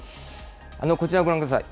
こちらご覧ください。